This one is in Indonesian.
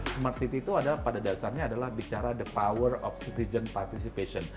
smart city itu pada dasarnya adalah bicara tentang kekuatan partisipasi